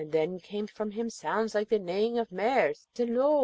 Then came from him sounds like the neighing of mares, and lo!